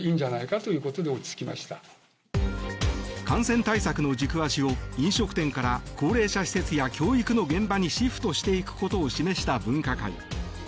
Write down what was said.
感染対策の軸足を飲食店から高齢者施設や教育の現場にシフトしていくことを示した分科会。